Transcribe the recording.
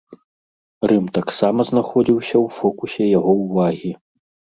Рым таксама знаходзіўся ў фокусе яго ўвагі.